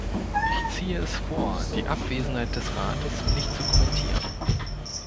Ich ziehe es vor, die Abwesenheit des Rates nicht zu kommentieren.